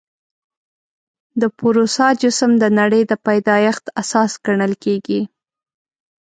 د پوروسا جسم د نړۍ د پیدایښت اساس ګڼل کېږي.